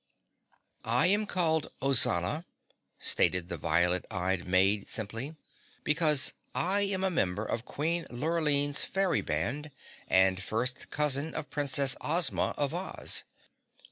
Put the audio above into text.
"I am called Ozana," stated the violet eyed maid simply, "because I am a member of Queen Lurline's Fairy Band and first cousin of Princess Ozma of Oz."